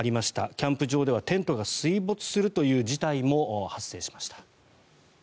キャンプ場ではテントが水没するという事態も発生しました。